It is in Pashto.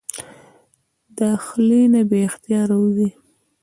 د خلې نه بې اختياره اوځي